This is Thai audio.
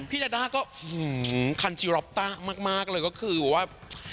พี่จาด้าก็หื้อคันจีร็อปต้ามากเลยก็คือว่า